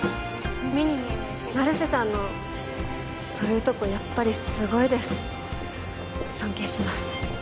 目に見えない成瀬さんのそういうとこやっぱりすごいです尊敬します